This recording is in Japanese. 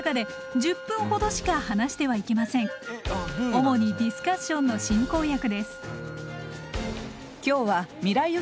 主にディスカッションの進行役です。